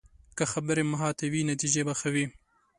که خبرې محتاطې وي، نتیجه به ښه وي